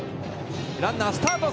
ランナー、スタート！